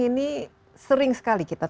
ini sering sekali kita